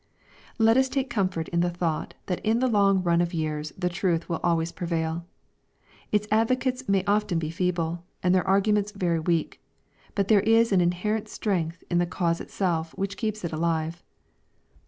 Let us take comfort in the thought that in the long run of years the truth will always prevail. Its advocates may often be feeble, and their arguments very weak. But there is an inherent strength in the cause itself which keeps it alive.